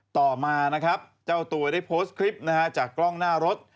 ต่อมาเจ้าตัวได้โพสต์คลิปจากกล้องหน้ารถ